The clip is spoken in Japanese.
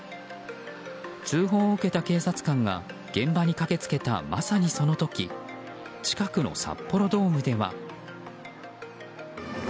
通報を受けた警察官が現場に駆け付けた、まさにその時近くの札幌ドームでは。